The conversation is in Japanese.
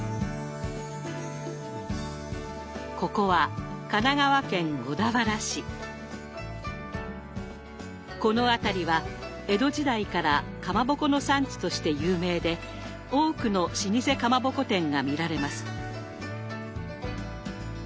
ここはこの辺りは江戸時代からかまぼこの産地として有名で多くの老舗かまぼこ店が見られます。